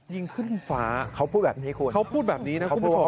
ยิงขึ้นฟ้าเขาพูดแบบนี้คุณเขาพูดแบบนี้นะคุณผู้ชม